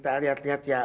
tak lihat lihat ya